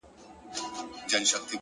وخت د کارونو اصلي ارزښت څرګندوي،